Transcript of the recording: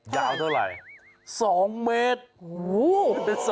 ยาวเท่าไหร่๒เมตร